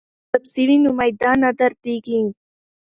که سبزی وي نو معده نه دردیږي.